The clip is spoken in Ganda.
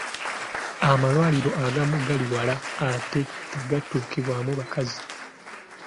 Amalwaliro agamu gali wala ate tegatuukibwamu bakazi.